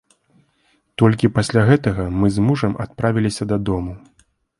Толькі пасля гэтага мы з мужам адправіліся дадому.